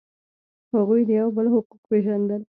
هغوی د یو بل حقوق پیژندل.